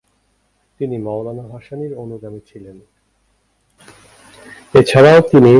তিনি মওলানা ভাসানীর অনুগামী ছিলেন।